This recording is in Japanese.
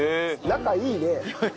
仲いいね。